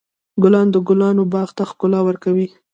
ګلان د ګلانو باغ ته ښکلا ورکوي.